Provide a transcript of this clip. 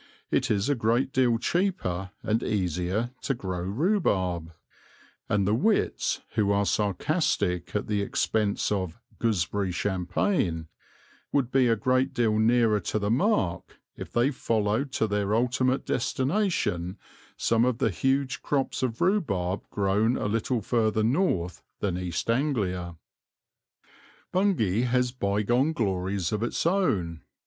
It is a great deal cheaper and easier to grow rhubarb, and the wits who are sarcastic at the expense of "gooseberry champagne" would be a great deal nearer to the mark if they followed to their ultimate destination some of the huge crops of rhubarb grown a little further north than East Anglia. "Bungay has bygone glories of its own.